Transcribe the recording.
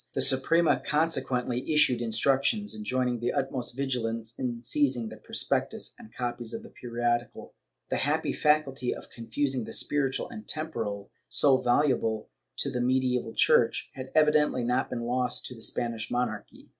The Suprema consequently issued instructions enjoining the utmost vigilance in seizing the prospectus and copies of the periodical.^ The happy faculty of confusing the spiritual and the temporal, so valuable to the medieval Church, had evidently not been lost to the Spanish monarchy.